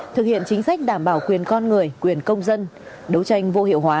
thực hiện chính sách đảm bảo quyền con người quyền công dân đấu tranh vô hiệu hóa